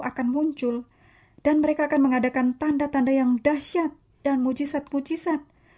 akan muncul dan mereka akan mengadakan tanda tanda yang dahsyat dan mujisat mujisat